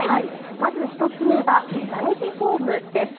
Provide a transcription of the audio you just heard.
まず１つ目は打撃フォームです。